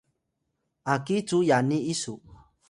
aki cu yani isu